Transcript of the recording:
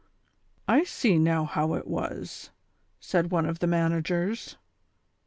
" I see now how it was," said one of the managers.